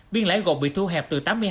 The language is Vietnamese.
biên lãi gộp bị thu hẹp